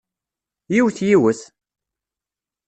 Yiwet yiwet!